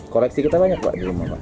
koleksi kita banyak pak